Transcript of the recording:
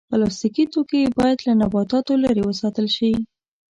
پلاستيکي توکي باید له نباتاتو لرې وساتل شي.